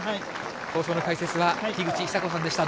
放送の解説は樋口久子さんでした。